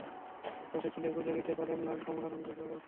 আরেক পাশে চুলে গুঁজে দিতে পারেন লাল, কমলা রঙের জারবারা ফুল।